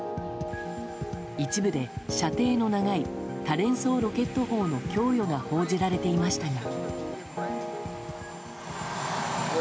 一部で射程の長い多連装ロケット砲の供与が報じられていましたが。